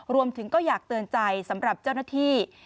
รวมถึงก็อยากเตือนใจสำหรับเจ้าหน้าที่